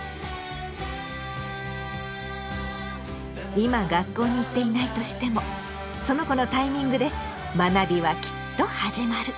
今学校に行っていないとしてもその子のタイミングで学びはきっと始まる。